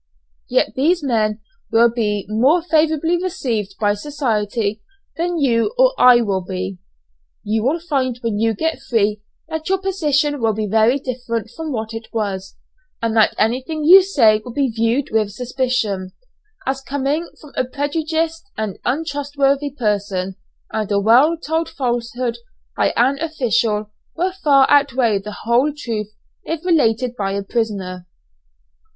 Yet these men will be more favourably received by society than you or I will be. You will find when you get free that your position will be very different from what it was, and that anything you say will be viewed with suspicion, as coming from a prejudiced and untrustworthy person, and a well told falsehood by an official will far outweigh the whole truth if related by a prisoner."